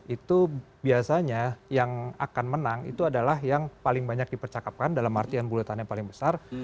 itu biasanya yang akan menang itu adalah yang paling banyak dipercakapkan dalam artian buletannya paling besar